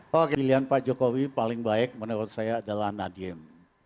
bahwa pilihan pak jokowi paling baik menurut saya adalah nadiem